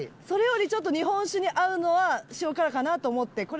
それよりちょっと日本酒に合うのは塩辛かなと思って。